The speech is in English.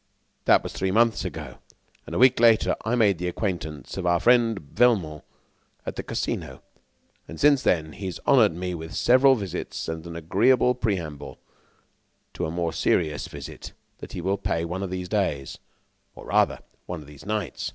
"That was three months ago; and a week later, I made the acquaintance of our friend Velmont at the casino, and, since then, he has honored me with several visits an agreeable preamble to a more serious visit that he will pay me one of these days or, rather, one of these nights."